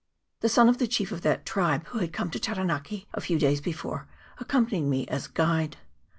The son of the chief of that tribe, who had come to Taranaki a few days before, accompanied me as a guide.